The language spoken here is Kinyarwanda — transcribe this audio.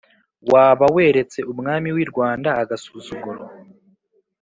waba weretse umwami wirwanda agasuzuguro